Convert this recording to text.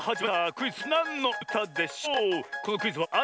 クイズ「なんのうたでしょう」！